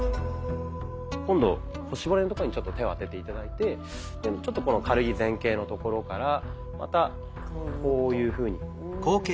今度腰骨のところにちょっと手を当てて頂いてちょっとこの軽い前傾のところからまたこういうふうに。